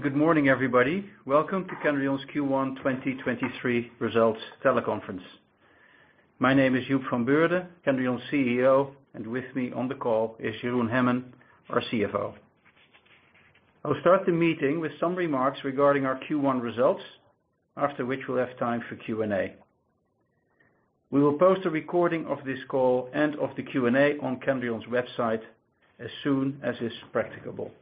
Good morning, everybody. Welcome to Kendrion's Q1 2023 results teleconference. My name is Joep van Beurden, Kendrion's CEO. With me on the call is Jeroen Hemmen, our CFO. I'll start the meeting with some remarks regarding our Q1 results. After which we'll have time for Q&A. We will post a recording of this call and of the Q&A on Kendrion's website as soon as is practicable.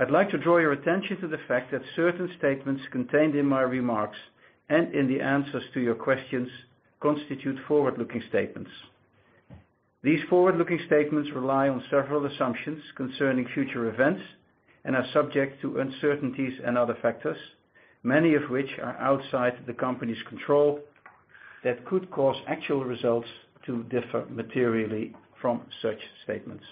I'd like to draw your attention to the fact that certain statements contained in my remarks and in the answers to your questions constitute forward-looking statements. These forward-looking statements rely on several assumptions concerning future events and are subject to uncertainties and other factors, many of which are outside the company's control, that could cause actual results to differ materially from such statements.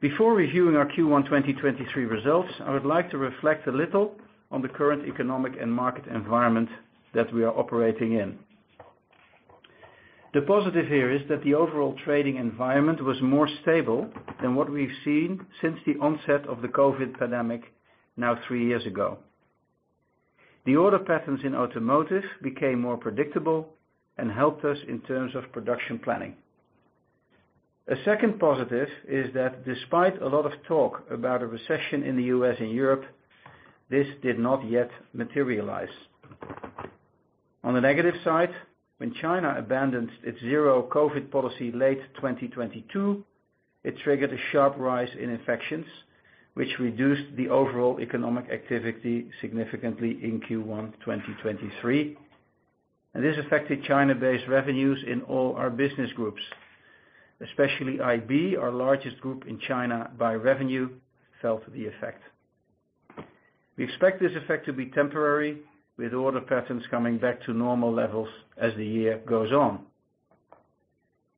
Before reviewing our Q1 2023 results, I would like to reflect a little on the current economic and market environment that we are operating in. The positive here is that the overall trading environment was more stable than what we've seen since the onset of the COVID pandemic now three years ago. The order patterns in automotive became more predictable and helped us in terms of production planning. A second positive is that despite a lot of talk about a recession in the U.S. and Europe, this did not yet materialize. On the negative side, when China abandoned its zero COVID policy late 2022, it triggered a sharp rise in infections, which reduced the overall economic activity significantly in Q1 2023. This affected China-based revenues in all our business groups. Especially IB, our largest group in China by revenue, felt the effect. We expect this effect to be temporary, with order patterns coming back to normal levels as the year goes on.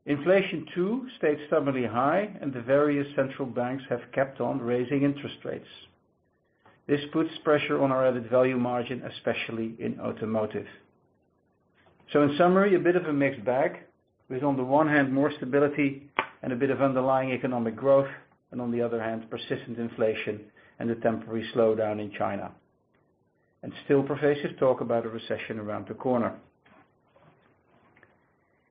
Inflation, too, stayed stubbornly high, and the various central banks have kept on raising interest rates. This puts pressure on our added value margin, especially in automotive. In summary, a bit of a mixed bag, with on the one hand more stability and a bit of underlying economic growth, and on the other hand, persistent inflation and a temporary slowdown in China. Still pervasive talk about a recession around the corner.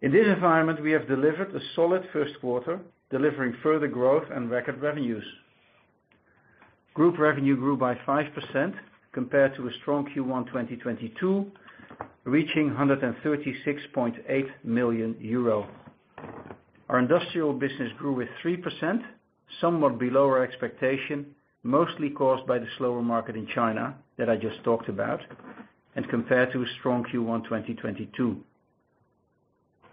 In this environment, we have delivered a solid first quarter, delivering further growth and record revenues. Group revenue grew by 5% compared to a strong Q1 2022, reaching 136.8 million euro. Our industrial business grew with 3%, somewhat below our expectation, mostly caused by the slower market in China that I just talked about, and compared to a strong Q1 2022.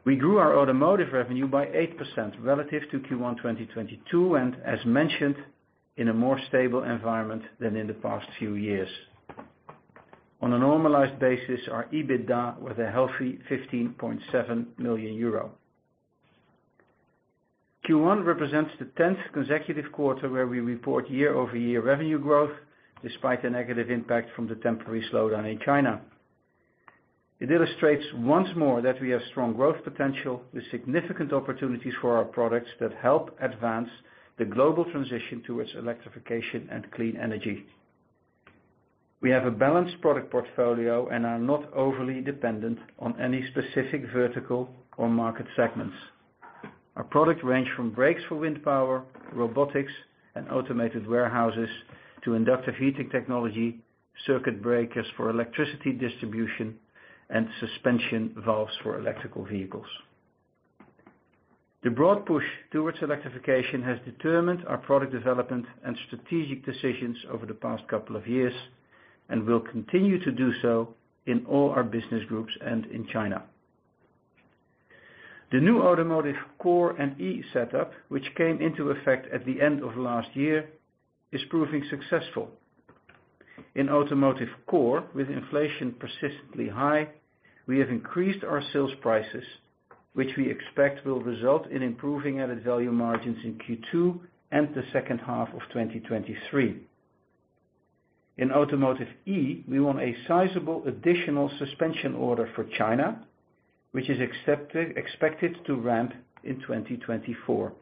We grew our automotive revenue by 8% relative to Q1 2022, and as mentioned, in a more stable environment than in the past few years. On a normalized basis, our EBITDA was a healthy 15.7 million euro. Q1 represents the 10th consecutive quarter where we report year-over-year revenue growth despite a negative impact from the temporary slowdown in China. It illustrates once more that we have strong growth potential with significant opportunities for our products that help advance the global transition towards electrification and clean energy. We have a balanced product portfolio and are not overly dependent on any specific vertical or market segments. Our product range from brakes for wind power, robotics, and automated warehouses to inductive heating technology, circuit breakers for electricity distribution, and suspension valves for electrical vehicles. The broad push towards electrification has determined our product development and strategic decisions over the past couple of years and will continue to do so in all our business groups and in China. The new Automotive Core and E setup, which came into effect at the end of last year, is proving successful. In Automotive Core, with inflation persistently high, we have increased our sales prices, which we expect will result in improving added value margins in Q2 and the second half of 2023. In Automotive E, we won a sizable additional suspension order for China, which is expected to ramp in 2024.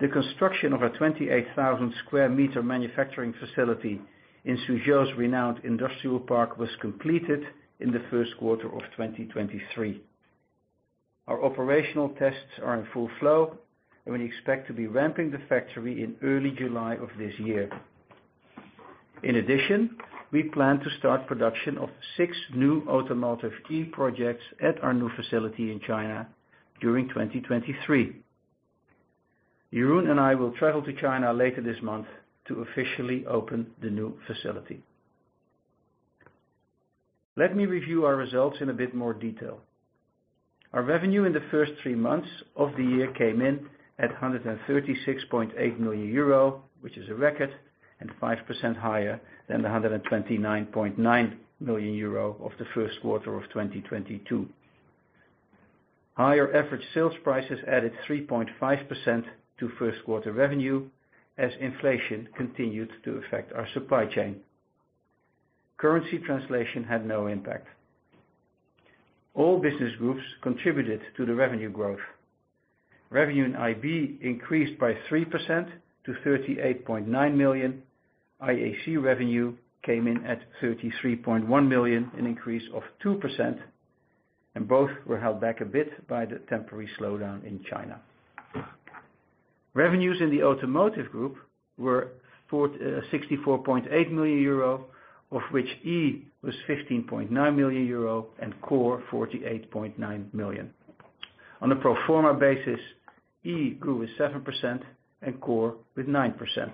The construction of a 28,000 square meter manufacturing facility in Suzhou's renowned industrial park was completed in the first quarter of 2023. Our operational tests are in full flow, we expect to be ramping the factory in early July of this year. In addition, we plan to start production of six new Automotive E projects at our new facility in China during 2023. Jeroen and I will travel to China later this month to officially open the new facility. Let me review our results in a bit more detail. Our revenue in the first three months of the year came in at 136.8 million euro, which is a record and 5% higher than the 129.9 million euro of the first quarter of 2022. Higher average sales prices added 3.5% to first quarter revenue as inflation continued to affect our supply chain. Currency translation had no impact. All business groups contributed to the revenue growth. Revenue in IB increased by 3% to 38.9 million. IAC revenue came in at 33.1 million, an increase of 2%, and both were held back a bit by the temporary slowdown in China. Revenues in the Automotive group were 64.8 million euro, of which E was 15.9 million euro and Core 48.9 million. On a pro forma basis, E grew with 7% and Core with 9%.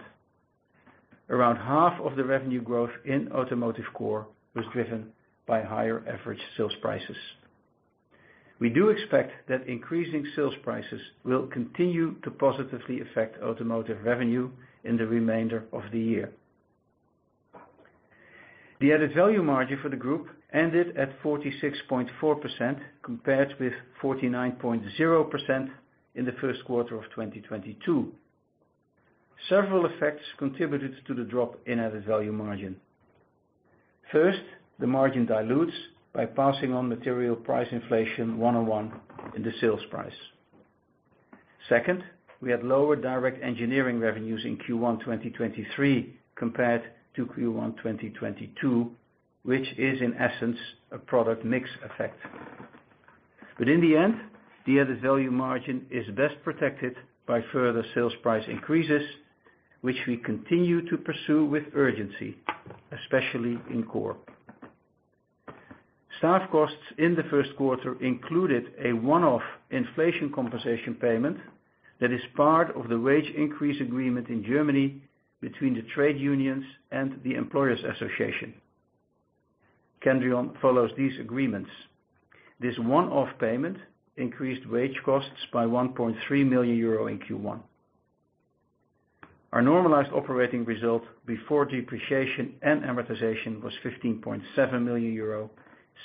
Around half of the revenue growth in Automotive Core was driven by higher average sales prices. We do expect that increasing sales prices will continue to positively affect Automotive revenue in the remainder of the year. The added value margin for the group ended at 46.4% compared with 49.0% in the first quarter of 2022. Several effects contributed to the drop in added value margin. First, the margin dilutes by passing on material price inflation one-on-one in the sales price. Second, we had lower direct engineering revenues in Q1 2023 compared to Q1 2022, which is in essence a product mix effect. In the end, the added value margin is best protected by further sales price increases, which we continue to pursue with urgency, especially in Core. Staff costs in the first quarter included a one-off inflation compensation payment that is part of the wage increase agreement in Germany between the trade unions and the employers association. Kendrion follows these agreements. This one-off payment increased wage costs by 1.3 million euro in Q1. Our normalized operating result before depreciation and amortization was 15.7 million euro,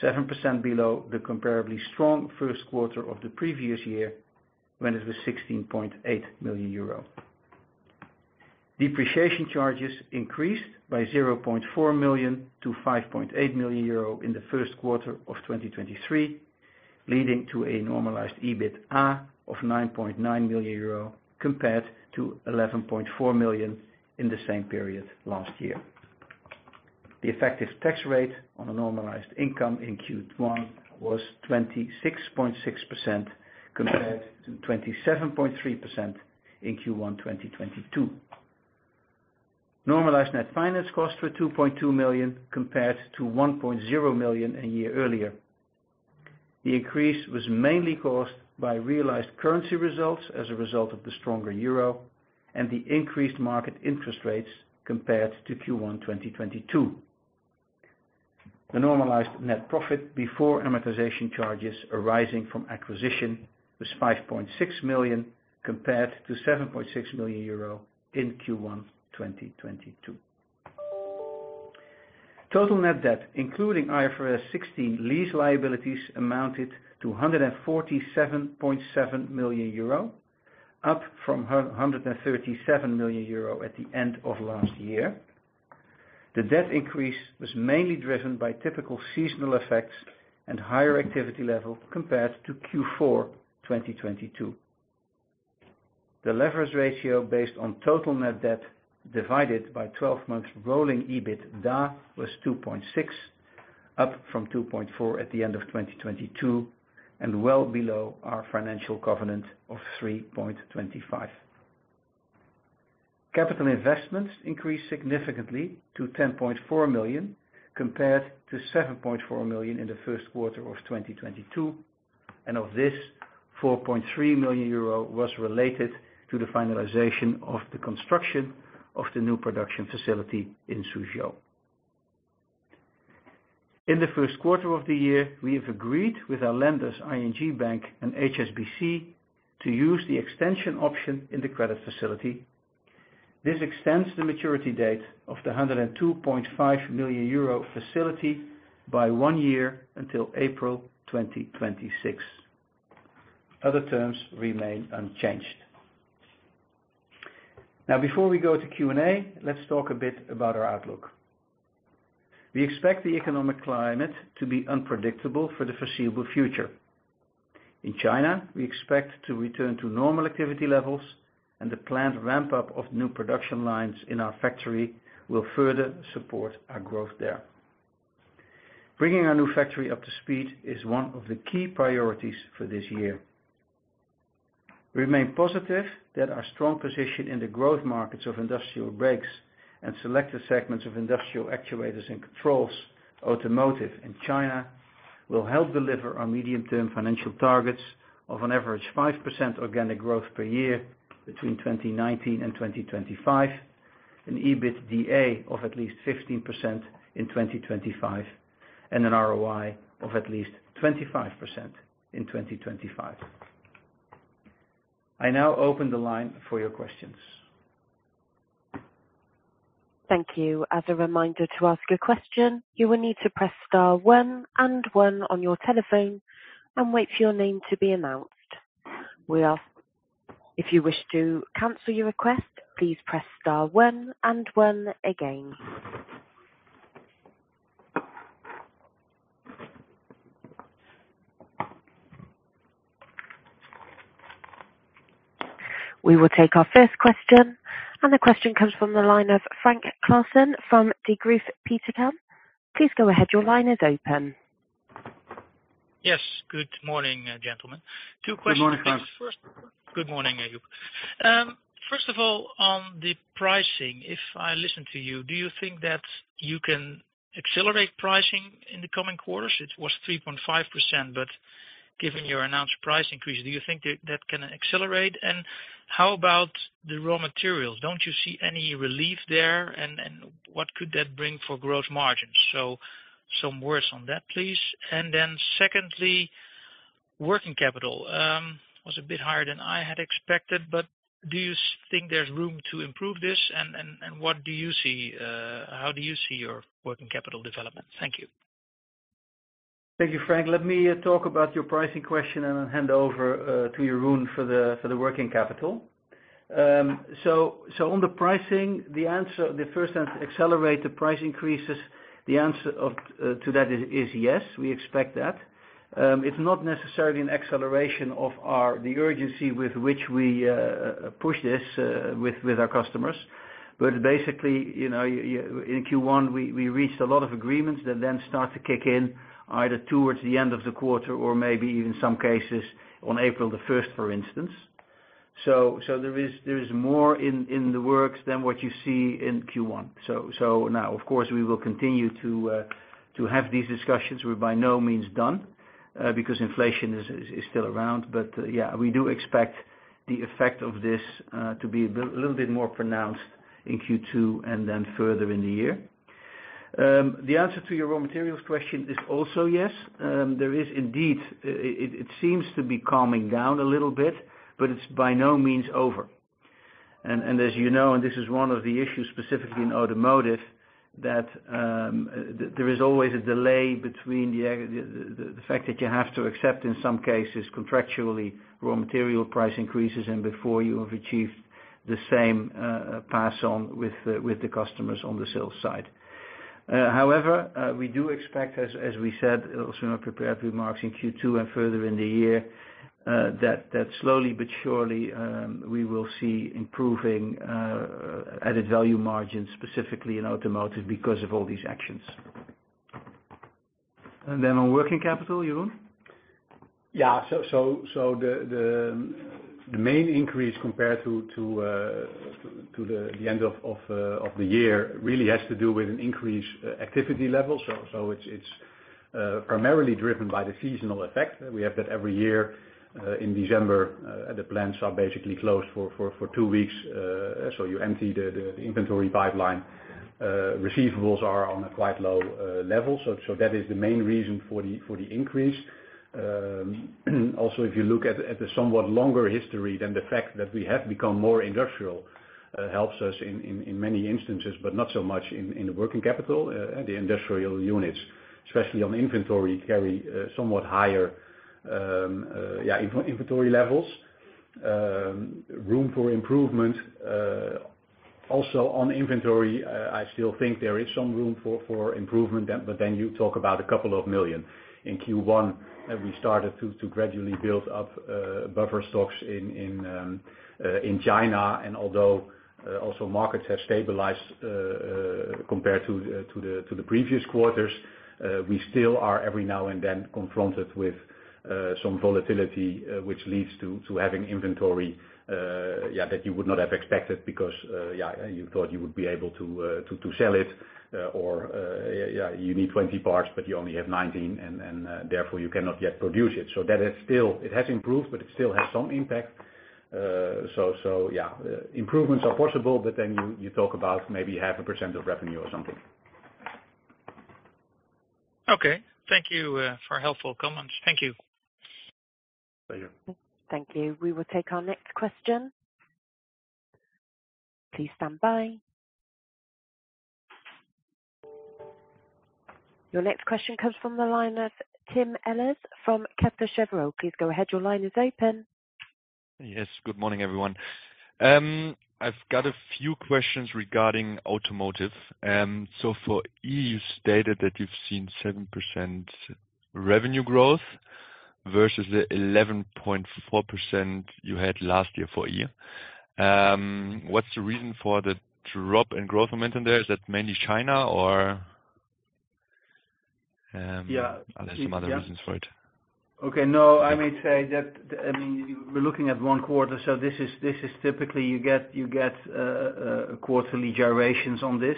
7% below the comparably strong first quarter of the previous year when it was 16.8 million euro. Depreciation charges increased by 0.4 million to 5.8 million euro in the first quarter of 2023, leading to a normalized EBITDA of 9.9 million euro compared to 11.4 million in the same period last year. The effective tax rate on a normalized income in Q1 was 26.6% compared to 27.3% in Q1, 2022. Normalized net finance costs were 2.2 million compared to 1.0 million a year earlier. The increase was mainly caused by realized currency results as a result of the stronger euro and the increased market interest rates compared to Q1, 2022. The normalized net profit before amortization charges arising from acquisition was 5.6 million compared to 7.6 million euro in Q1, 2022. Total net debt, including IFRS 16 lease liabilities amounted to 147.7 million euro, up from 137 million euro at the end of last year. The debt increase was mainly driven by typical seasonal effects and higher activity levels compared to Q4, 2022. The leverage ratio based on total net debt divided by 12 months rolling EBITDA was 2.6, up from 2.4 at the end of 2022 and well below our financial covenant of 3.25. Capital investments increased significantly to 10.4 million compared to 7.4 million in the first quarter of 2022. Of this, 4.3 million euro was related to the finalization of the construction of the new production facility in Suzhou. In the first quarter of the year, we have agreed with our lenders, ING Bank and HSBC, to use the extension option in the credit facility. This extends the maturity date of the 102.5 million euro facility by one year until April 2026. Other terms remain unchanged. Before we go to Q&A, let's talk a bit about our outlook. We expect the economic climate to be unpredictable for the foreseeable future. In China, we expect to return to normal activity levels. The planned ramp-up of new production lines in our factory will further support our growth there. Bringing our new factory up to speed is one of the key priorities for this year. We remain positive that our strong position in the growth markets of industrial brakes and selected segments of industrial actuators and controls, automotive and China, will help deliver our medium-term financial targets of an average 5% organic growth per year between 2019 and 2025, an EBITDA of at least 15% in 2025, and an ROI of at least 25% in 2025. I now open the line for your questions. Thank you. As a reminder, to ask a question, you will need to press star one and one on your telephone and wait for your name to be announced. If you wish to cancel your request, please press star one and one again. We will take our first question. The question comes from the line of Frank Claassen from Degroof Petercam. Please go ahead. Your line is open. Yes. Good morning, gentlemen. Two questions. Good morning, Frank. Good morning, Joep. First of all, on the pricing, if I listen to you, do you think that you can accelerate pricing in the coming quarters? It was 3.5%, but given your announced price increase, do you think that that can accelerate? How about the raw materials? Don't you see any relief there? What could that bring for gross margins? Some words on that, please. Secondly, working capital was a bit higher than I had expected, but do you think there's room to improve this? How do you see your working capital development? Thank you. Thank you, Frank. Let me talk about your pricing question and then hand over to Jeroen for the working capital. On the pricing, the first answer, accelerate the price increases, the answer to that is yes, we expect that. It's not necessarily an acceleration of our, the urgency with which we push this with our customers. Basically, you know, in Q1, we reached a lot of agreements that then start to kick in either towards the end of the quarter or maybe even some cases on April 1st, for instance. So there is more in the works than what you see in Q1. Now, of course, we will continue to have these discussions. We're by no means done, because inflation is still around. Yeah, we do expect the effect of this to be a bit, little bit more pronounced in Q2 and then further in the year. The answer to your raw materials question is also yes. There is indeed, it seems to be calming down a little bit, but it's by no means over. As you know, and this is one of the issues specifically in automotive, that there is always a delay between the fact that you have to accept, in some cases, contractually, raw material price increases and before you have achieved the same pass on with the customers on the sales side. However, we do expect as we said, also in our prepared remarks in Q2 and further in the year, that slowly but surely, we will see improving, added value margins, specifically in automotive because of all these actions. On working capital, Jeroen? Yeah. The main increase compared to the end of the year really has to do with an increased activity level. It's primarily driven by the seasonal effect. We have that every year in December. The plants are basically closed for two weeks, so you empty the inventory pipeline. Receivables are on a quite low level. That is the main reason for the increase. Also, if you look at the somewhat longer history than the fact that we have become more industrial, helps us in many instances, but not so much in the working capital, the industrial units, especially on inventory, carry somewhat higher inventory levels. Room for improvement, also on inventory. I still think there is some room for improvement, but then you talk about a couple of million. In Q1, we started to gradually build up buffer stocks in China. Although also markets have stabilized, compared to the previous quarters, we still are every now and then confronted with some volatility, which leads to having inventory, that you would not have expected because, you thought you would be able to sell it, or, you need 20 parts, but you only have 19 and therefore you cannot yet produce it. That is still. It has improved, but it still has some impact. Yeah, improvements are possible, but then you talk about maybe 0.5% of revenue or something. Okay. Thank you, for helpful comments. Thank you. Thank you. Thank you. We will take our next question. Please stand by. Your next question comes from the line of Tim Ehlers from Kepler Cheuvreux. Please go ahead. Your line is open. Yes. Good morning, everyone. I've got a few questions regarding Automotive. For E, you stated that you've seen 7% revenue growth versus the 11.4% you had last year for E. What's the reason for the drop in growth momentum there? Is that mainly China or? Yeah. Are there some other reasons for it? Okay. No, I may say that, I mean, we're looking at one quarter, this is typically you get quarterly gyrations on this.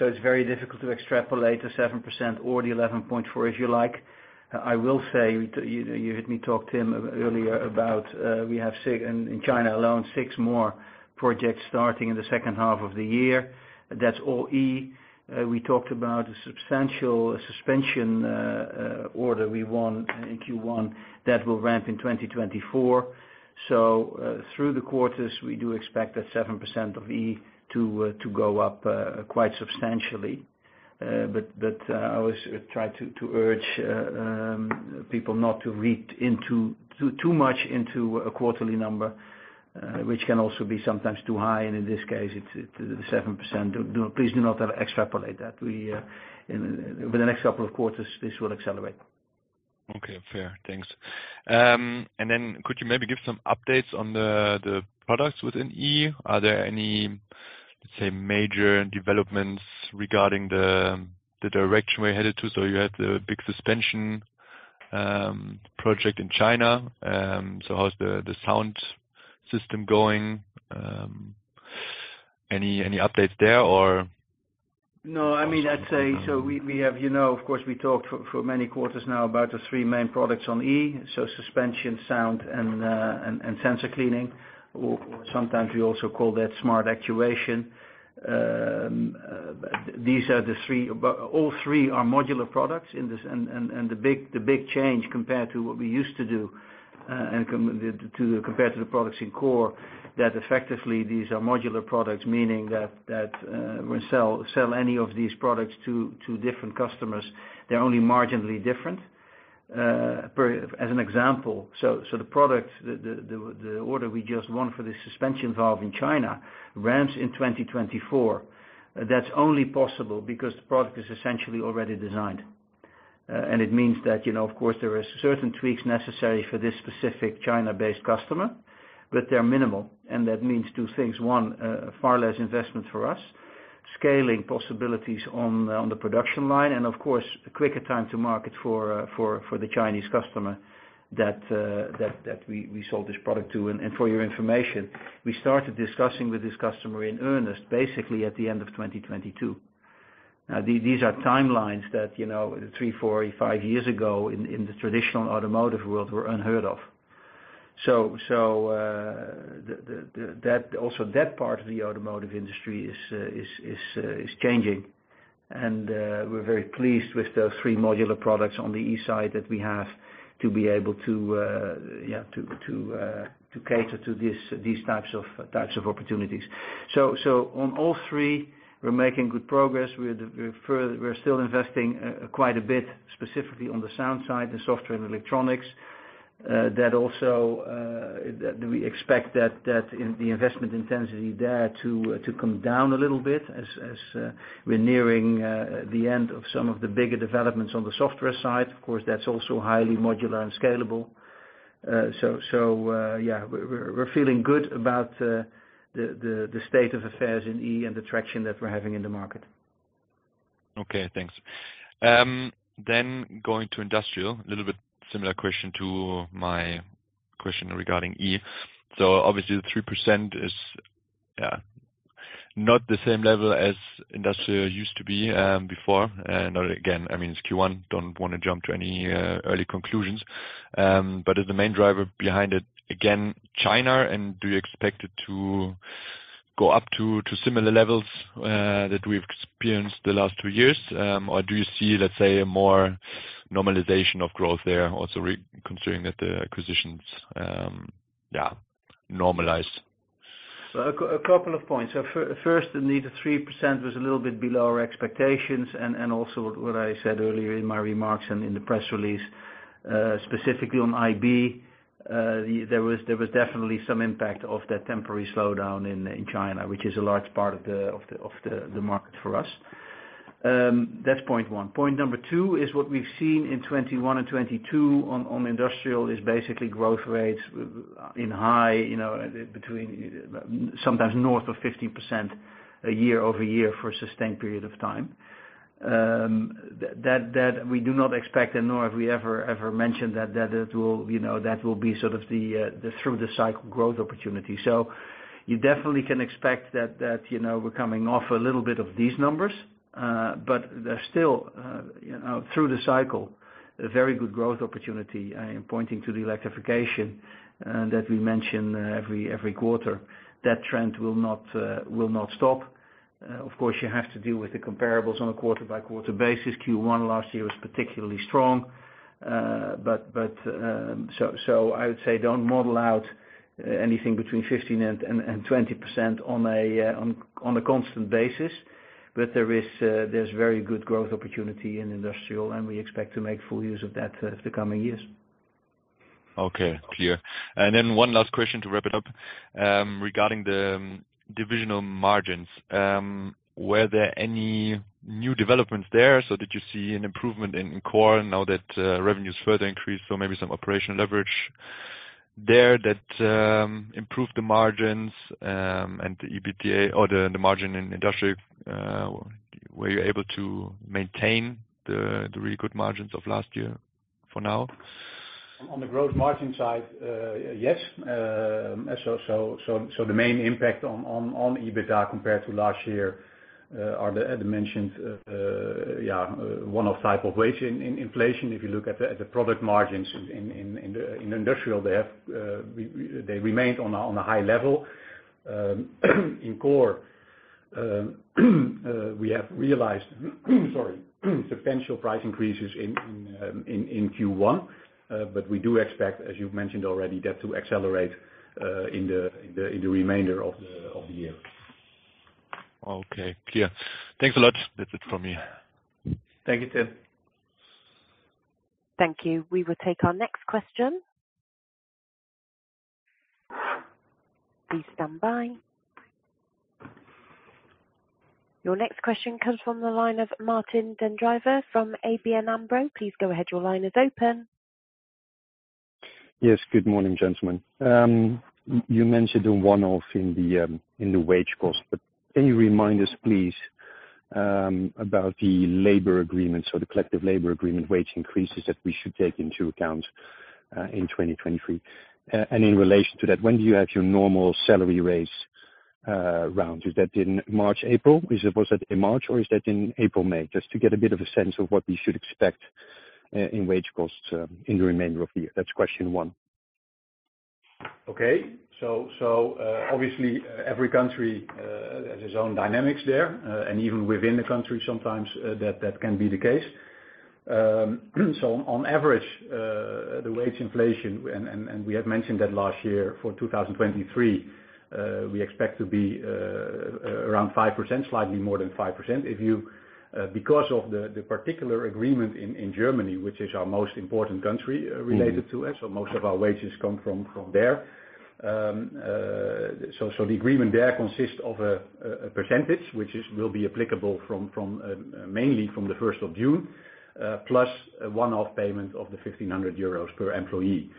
It's very difficult to extrapolate the 7% or the 11.4%, if you like. I will say, you heard me talk Tim earlier about, we have six In China alone, six more projects starting in the second half of the year. That's all E. We talked about a substantial suspension order we won in Q1 that will ramp in 2024. Through the quarters, we do expect that 7% of E to go up quite substantially. But, I always try to urge people not to read into too much into a quarterly number, which can also be sometimes too high. In this case, it's 7%. Do please do not extrapolate that. We with the next couple of quarters, this will accelerate. Okay. Fair. Thanks. Could you maybe give some updates on the products within E? Are there any, let's say, major developments regarding the direction we're headed to? You had the big suspension project in China. How's the sound system going? Any updates there or? I mean, I'd say we have, you know, of course, we talked for many quarters now about the three main products on E. So suspension, sound, and sensor cleaning, or sometimes we also call that smart actuation. These are the three. All three are modular products in this. The big change compared to what we used to do, and compared to the products in core, that effectively these are modular products, meaning that, we sell any of these products to different customers. They're only marginally different. As an example, the product, the order we just won for the suspension valve in China ramps in 2024. That's only possible because the product is essentially already designed. It means that, you know, of course, there are certain tweaks necessary for this specific China-based customer, but they're minimal. That means two things. One, far less investment for us, scaling possibilities on the production line, and of course, a quicker time to market for the Chinese customer that we sold this product to. For your information, we started discussing with this customer in earnest basically at the end of 2022. These are timelines that, you know, three, four, five years ago in the traditional automotive world were unheard of. That, also that part of the automotive industry is changing. We're very pleased with the three modular products on the E side that we have to be able to, yeah, to, to cater to this, these types of opportunities. On all three, we're making good progress. We're still investing, quite a bit, specifically on the sound side, the software and electronics. That also, that we expect that in the investment intensity there to come down a little bit as we're nearing the end of some of the bigger developments on the software side. Of course, that's also highly modular and scalable. Yeah, we're feeling good about the state of affairs in E and the traction that we're having in the market. Okay, thanks. Going to Industrial, a little bit similar question to my question regarding E. Obviously, the 3% is not the same level as Industrial used to be before. Not again, it's Q1, don't want to jump to any early conclusions. Is the main driver behind it, again, China? Do you expect it to go up to similar levels that we've experienced the last two years? Do you see a more normalization of growth there also considering that the acquisitions normalize? A couple of points. First, indeed, the 3% was a little bit below our expectations, also what I said earlier in my remarks and in the press release, specifically on IB, there was definitely some impact of that temporary slowdown in China, which is a large part of the market for us. That's point one. Point number 2 is what we've seen in 2021 and 2022 on industrial is basically growth rates in high, you know, between sometimes north of 15% year-over-year for a sustained period of time. That we do not expect and nor have we ever mentioned that it will, you know, that will be sort of the through the cycle growth opportunity. You definitely can expect that, you know, we're coming off a little bit of these numbers, but there's still, you know, through the cycle, a very good growth opportunity in pointing to the electrification that we mention every quarter. That trend will not stop. Of course, you have to deal with the comparables on a quarter-by-quarter basis. Q1 last year was particularly strong. So I would say don't model out anything between 15% and 20% on a constant basis. There is, there's very good growth opportunity in industrial, and we expect to make full use of that the coming years. Okay. Clear. One last question to wrap it up, regarding the divisional margins. Were there any new developments there? Did you see an improvement in Core now that revenues further increased? Maybe some operational leverage there that improved the margins, and the EBITDA or the margin in industrial, were you able to maintain the really good margins of last year for now? On the growth margin side, yes. The main impact on EBITDA compared to last year are the, as mentioned, one-off type of wage inflation. If you look at the product margins in industrial, they remained on a high level. In Core, we have realized sorry, substantial price increases in Q1. We do expect, as you've mentioned already, that to accelerate in the remainder of the year. Okay, clear. Thanks a lot. That's it from me. Thank you, Tim. Thank you. We will take our next question. Please stand by. Your next question comes from the line of Martijn den Drijver from ABN AMRO. Please go ahead. Your line is open. Yes, good morning, gentlemen. You mentioned the one-off in the in the wage cost, can you remind us, please, about the labor agreement, so the collective labor agreement wage increases that we should take into account in 2023. In relation to that, when do you have your normal salary raise round? Is that in March, April? Was it in March, or is that in April, May? Just to get a bit of a sense of what we should expect in wage costs in the remainder of the year. That's question one. Okay. Obviously every country has its own dynamics there, and even within the country sometimes that can be the case. On average, the wage inflation and we have mentioned that last year for 2023, we expect to be around 5%, slightly more than 5%. If you because of the particular agreement in Germany, which is our most important country, related to it, so most of our wages come from there. The agreement there consists of a percentage which will be applicable from mainly from the 1st of June, plus a one-off payment of the 1,500 euros per employee.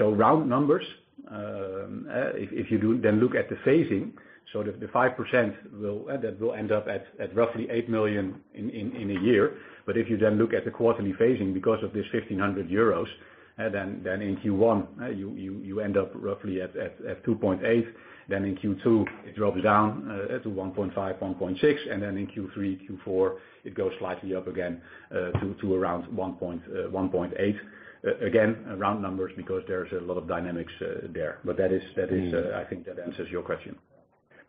Round numbers, if you do then look at the phasing, the 5% will that will end up at roughly 8 million in a year. If you then look at the quarterly phasing because of this 1,500 euros, then in Q1, you end up roughly at 2.8 million. In Q2, it drops down to 1.5 million, 1.6 million, and then in Q3, Q4, it goes slightly up again to around 1.8 million. Again, round numbers because there's a lot of dynamics there. That is, I think that answers your question.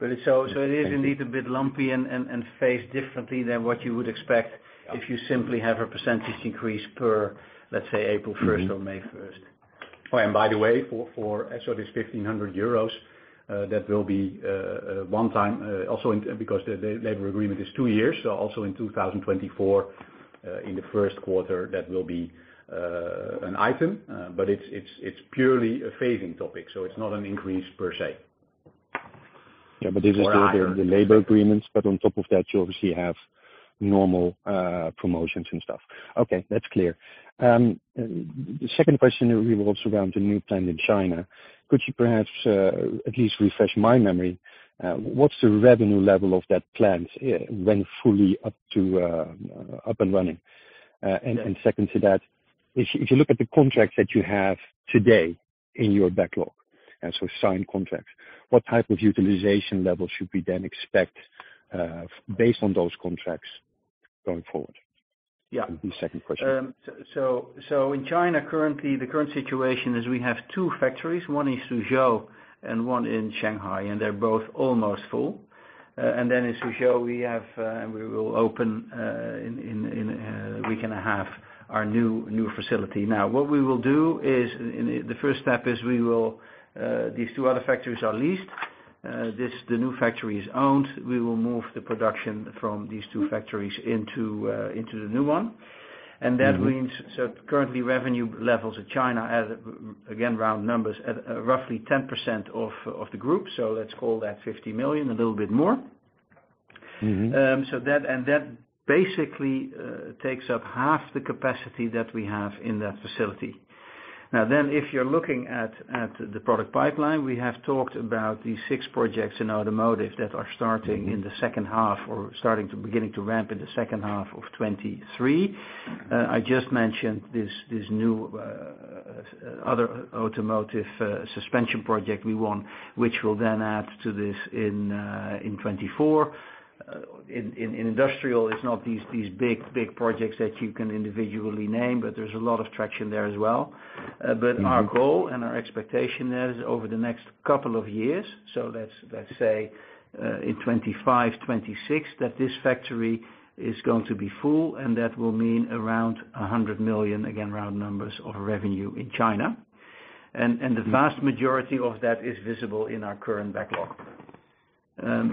Thank you. It's so it is indeed a bit lumpy and phased differently than what you would expect. Yeah. If you simply have a percentage increase per, let's say, April 1st or May 1st. By the way, this 1,500 euros, that will be a one-time, because the labor agreement is two years, so also in 2024, in the first quarter, that will be an item. It's purely a phasing topic, so it's not an increase per se. This is the labor agreements, but on top of that, you obviously have normal promotions and stuff. Okay, that's clear. Second question really was around the new plant in China. Could you perhaps at least refresh my memory, what's the revenue level of that plant when fully up to up and running? Second to that, if you look at the contracts that you have today in your backlog, and so signed contracts, what type of utilization level should we then expect based on those contracts going forward? Yeah. Would be second question. In China, currently, the current situation is we have two factories. One in Suzhou and one in Shanghai, they're both almost full. In Suzhou, we have, and we will open in a week and a half our new facility. What we will do in the first step is we will, these two other factories are leased. The new factory is owned. We will move the production from these two factories into the new one. That means currently revenue levels of China at, again, round numbers at roughly 10% of the group. Let's call that 50 million, a little bit more. Mm-hmm. That basically takes up half the capacity that we have in that facility. If you're looking at the product pipeline, we have talked about these six projects in automotive that are starting in the second half or beginning to ramp in the second half of 2023. I just mentioned this new other automotive suspension project we won, which will then add to this in 2024. In industrial, it's not these big projects that you can individually name, but there's a lot of traction there as well. Our goal and our expectation there is over the next couple of years, so let's say, in 2025, 2026, that this factory is going to be full, and that will mean around 100 million, again, round numbers of revenue in China. The vast majority of that is visible in our current backlog.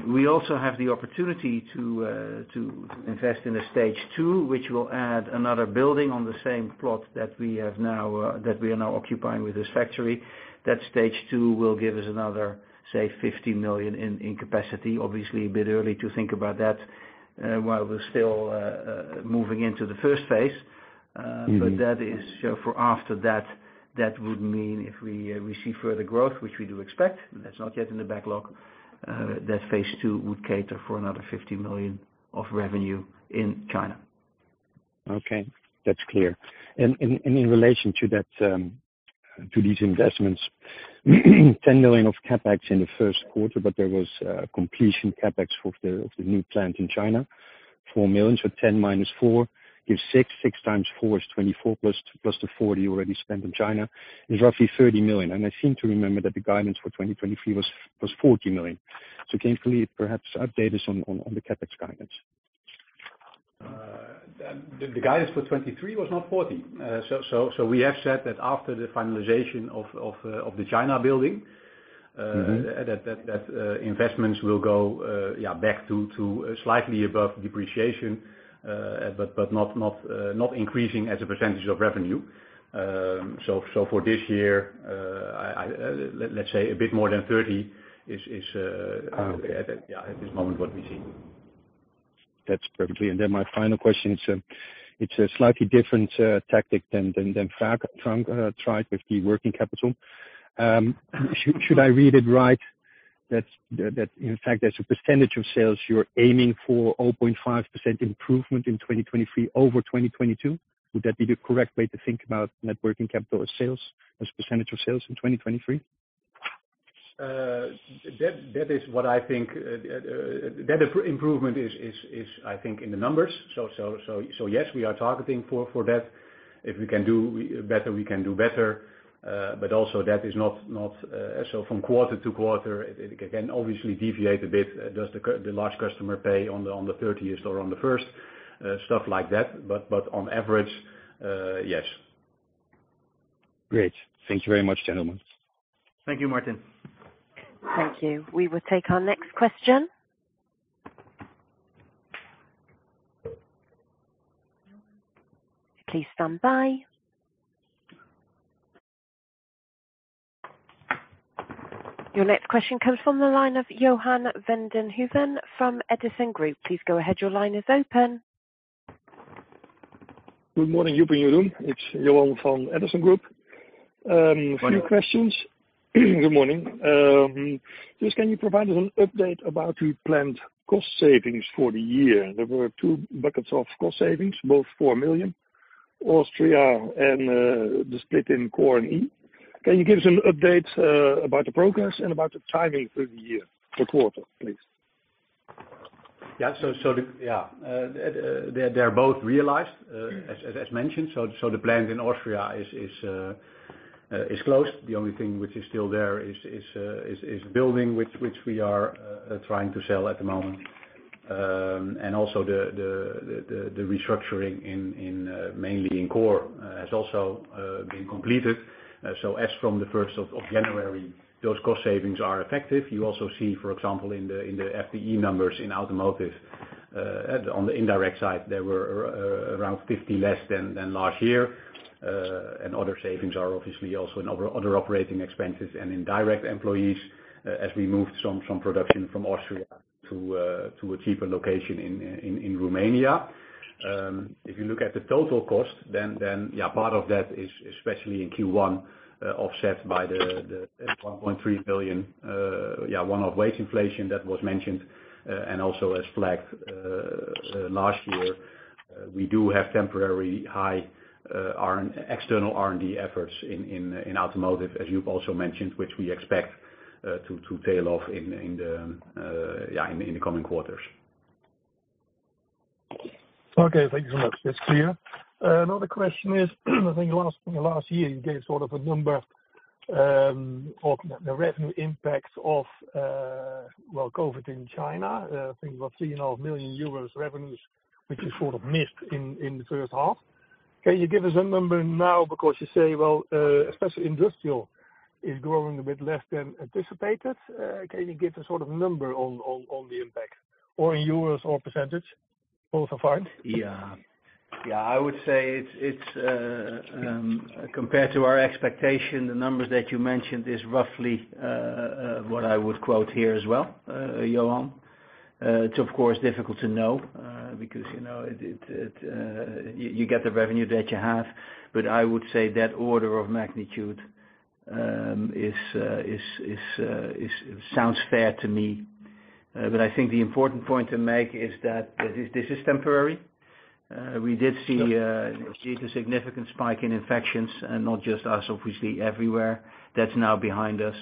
We also have the opportunity to invest in a stage two, which will add another building on the same plot that we have now, that we are now occupying with this factory. That stage two will give us another, say, 50 million in capacity. Obviously, a bit early to think about that, while we're still moving into the first phase. That is for after that. That would mean if we see further growth, which we do expect, that's not yet in the backlog, that phase two would cater for another 50 million of revenue in China. Okay, that's clear. In relation to that, to these investments, 10 million of CapEx in the first quarter, but there was a completion CapEx of the new plant in China. 4 million. Ten minus four gives six. Six times four is 24, plus the 40 million you already spent in China is roughly 30 million. I seem to remember that the guidance for 2023 was 40 million. Can you please perhaps update us on the CapEx guidance? The guidance for 2023 was not 40. We have said that after the finalization of the China building- Mm-hmm... that investments will go, yeah, back to slightly above depreciation, but not increasing as a percentage of revenue. For this year, I, let's say a bit more than 30 is. Uh Yeah, at this moment what we see. That's perfectly. My final question, it's a slightly different tactic than Frank tried with the working capital. Should I read it right that in fact as a percentage of sales you're aiming for 0.5% improvement in 2023 over 2022? Would that be the correct way to think about net working capital or sales, as a percentage of sales in 2023? That is what I think, that improvement is I think in the numbers. Yes, we are targeting for that. If we can do better, we can do better. Also that is not, so from quarter-to-quarter, it can obviously deviate a bit, does the large customer pay on the 30th or on the 1st, stuff like that. On average, yes. Great. Thank you very much, gentlemen. Thank you, Martijn. Thank you. We will take our next question. Please stand by. Your next question comes from the line of Johan van den Hooven from Edison Group. Please go ahead. Your line is open. Good morning, Joep and Jeroen. It's Johan from Edison Group. Morning. Few questions. Good morning. Just can you provide us an update about the planned cost savings for the year? There were two buckets of cost savings, both 4 million, Austria and the split in Core and E. Can you give us an update about the progress and about the timing through the year or quarter, please? Yeah. They're both realized as mentioned. The plant in Austria is closed. The only thing which is still there is building which we are trying to sell at the moment. Also the restructuring in mainly in Core has also been completed. As from the first of January, those cost savings are effective. You also see, for example, in the FTE numbers in Automotive on the indirect side, there were around 50 less than last year. Other savings are obviously also in other operating expenses and in direct employees as we moved some production from Austria to a cheaper location in Romania. If you look at the total cost, then, part of that is especially in Q1, offset by the 1.3 billion one-off wage inflation that was mentioned. Also as flagged, last year, we do have temporarily high external R&D efforts in automotive, as Joep also mentioned, which we expect to tail off in the coming quarters. Okay. Thank you so much. That's clear. Another question is, I think last year, you gave sort of a number of the revenue impact of COVID in China. I think about 3.5 million euros revenues, which you sort of missed in the first half. Can you give us a number now? Because you say, especially industrial is growing a bit less than anticipated. Can you give a sort of number on the impact or in euros or percentage, both are fine. Yeah. Yeah, I would say it's compared to our expectation, the numbers that you mentioned is roughly what I would quote here as well, Johan. It's of course difficult to know, because, you know, it, you get the revenue that you have. I would say that order of magnitude is sounds fair to me. I think the important point to make is that this is temporary. We did see a significant spike in infections and not just us, obviously everywhere. That's now behind us.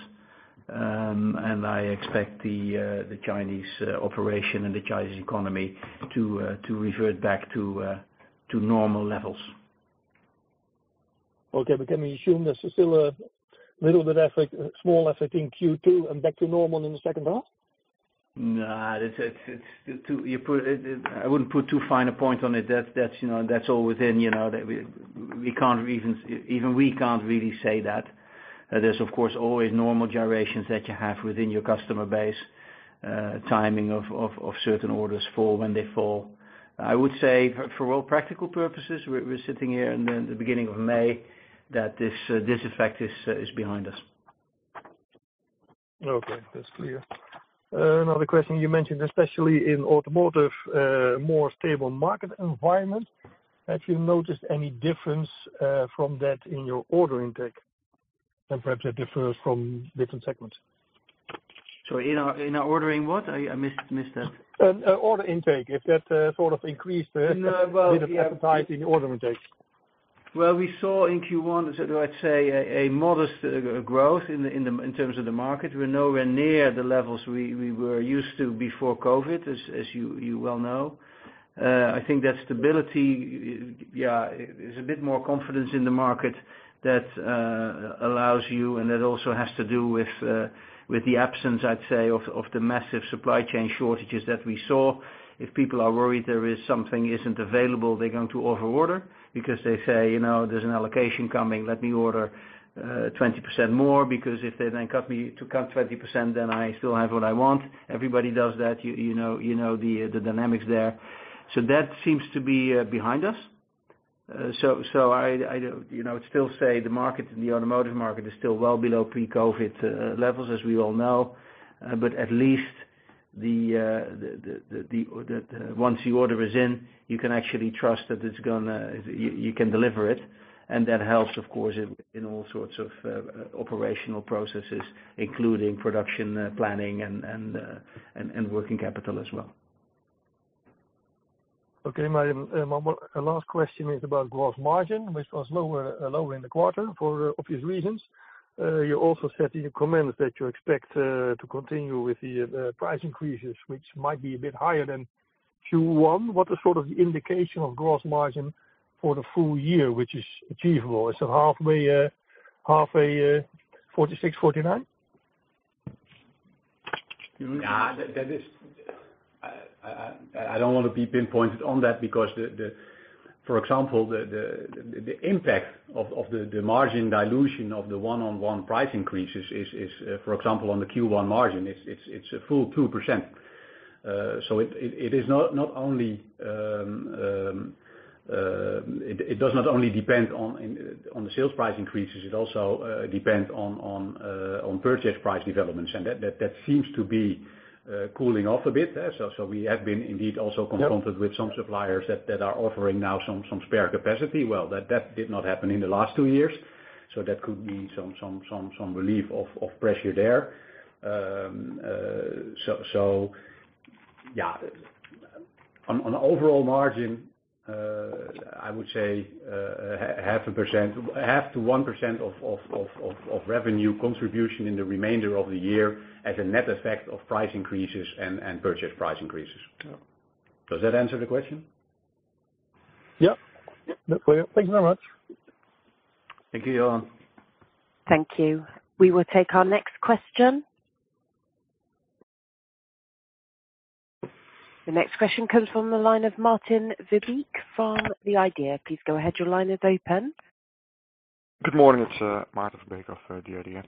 I expect the Chinese operation and the Chinese economy to revert back to normal levels. Okay, can we assume there's still a little bit effect, small effect in Q2 and back to normal in the second half? No, it's I wouldn't put too fine a point on it. That's, you know, that's all within, you know. We can't really say that. There's of course, always normal gyrations that you have within your customer base, timing of certain orders fall when they fall. I would say for all practical purposes, we're sitting here in the beginning of May that this effect is behind us. Okay, that's clear. Another question you mentioned, especially in automotive, more stable market environment. Have you noticed any difference from that in your order intake, perhaps that differs from different segments? In our ordering what? I missed that. Order intake, if that, sort of increased. No, well. With appetite in order intake. Well, we saw in Q1, sort of I'd say a modest growth in the, in terms of the market. We're nowhere near the levels we were used to before COVID, as you well know. I think that stability, yeah, is a bit more confidence in the market that allows you, and it also has to do with the absence, I'd say, of the massive supply chain shortages that we saw. If people are worried there is something isn't available, they're going to over-order because they say, "You know, there's an allocation coming, let me order 20% more because if they then cut me to cut 20%, then I still have what I want." Everybody does that, you know, you know the dynamics there. That seems to be behind us. I don't. You know, I'd still say the market, the automotive market is still well below pre-COVID levels, as we all know. At least the once the order is in, you can actually trust that it's gonna. You can deliver it, and that helps of course in all sorts of operational processes, including production planning and working capital as well. My last question is about gross margin, which was lower in the quarter for obvious reasons. You also said in your comments that you expect to continue with the price increases, which might be a bit higher than Q1. What is sort of the indication of gross margin for the full year, which is achievable? Is it halfway, 46%-49%? Nah. That is... I don't wanna be pinpointed on that because the... For example, the impact of the margin dilution of the one-on-one price increases is, for example, on the Q1 margin, it's a full 2%. It does not only depend on the sales price increases, it also depends on purchase price developments. That seems to be cooling off a bit. We have been indeed also confronted with some suppliers that are offering now some spare capacity. Well, that did not happen in the last two years. That could mean some relief of pressure there. Yeah. On overall margin, I would say, 0.5%, 0.5%-1% of revenue contribution in the remainder of the year as a net effect of price increases and purchase price increases. Yeah. Does that answer the question? Yeah. Yeah. Clear. Thank you very much. Thank you, Johan. Thank you. We will take our next question. The next question comes from the line of Maarten Verbeek from the IDEA!. Please go ahead. Your line is open. Good morning. It's, Maarten Verbeek of, the IDEA!.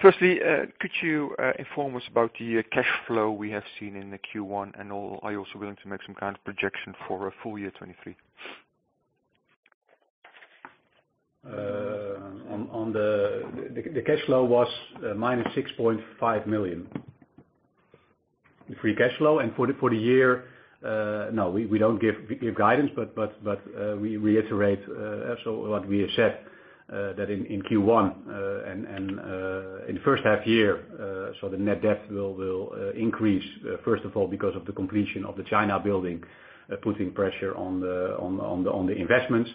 Firstly, could you, inform us about the cash flow we have seen in the Q1, and are you also willing to make some kind of projection for full year 2023? On the... The cash flow was -6.5 million. The free cash flow and for the year. No, we don't give guidance, but we reiterate what we said, that in Q1 and in the first half year, the net debt will increase, first of all because of the completion of the China building, putting pressure on the investments.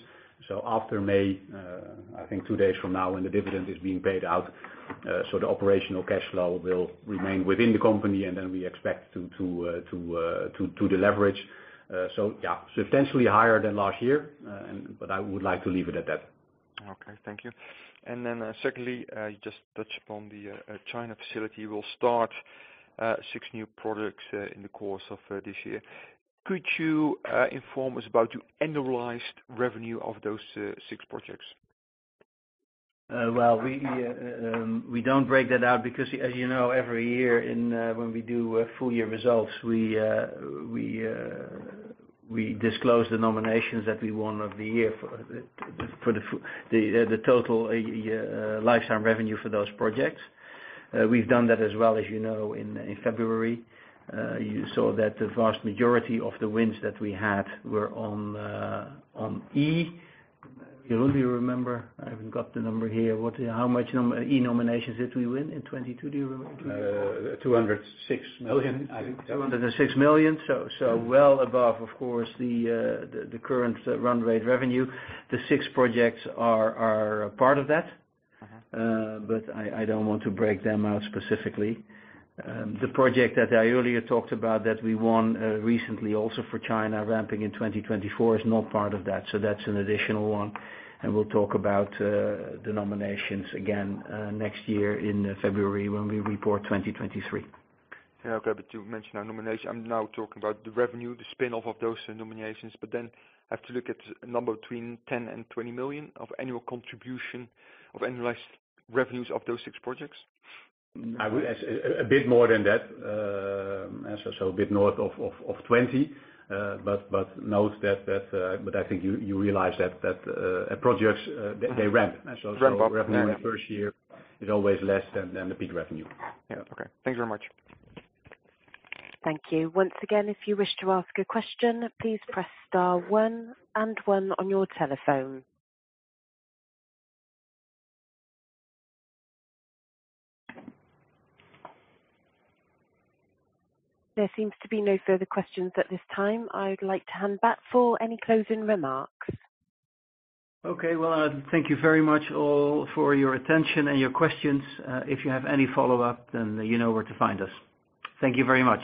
After May, I think two days from now when the dividend is being paid out, the operational cash flow will remain within the company and then we expect to deleverage. Yeah, substantially higher than last year, and but I would like to leave it at that. Okay. Thank you. Secondly, you just touched upon the China facility will start six new products in the course of this year. Could you inform us about your annualized revenue of those 6 projects? Well, we don't break that out because as you know, every year in when we do full year results, we disclose the nominations that we won of the year for the total lifetime revenue for those projects. We've done that as well, as you know, in February. You saw that the vast majority of the wins that we had were on E. Johan, do you remember? I haven't got the number here. What, how much E nominations did we win in 2022? Do you remember? 206 million, I think. Yeah. 206 million. Well above, of course, the current run rate revenue. The six projects are part of that. Mm-hmm. I don't want to break them out specifically. The project that I earlier talked about that we won, recently also for China ramping in 2024 is not part of that, so that's an additional one, and we'll talk about, the nominations again, next year in, February when we report 2023. Yeah. Okay. You mentioned our nomination. I'm now talking about the revenue, the spin-off of those nominations, but then I have to look at a number between 10 million and 20 million of annual contribution of analyzed revenues of those six projects. A bit more than that. As I said, a bit north of 20. Note that, but I think you realize that projects, they ramp. Mm-hmm. Ramp up. Yeah, yeah. Revenue in first year is always less than the peak revenue. Yeah. Okay. Thank you very much. Thank you. Once again, if you wish to ask a question, please press star one and one on your telephone. There seems to be no further questions at this time. I would like to hand back for any closing remarks. Okay. Well, thank you very much all for your attention and your questions. If you have any follow-up, you know where to find us. Thank you very much.